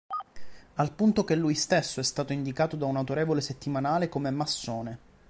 Al punto che lui stesso è stato indicato da un autorevole settimanale come massone.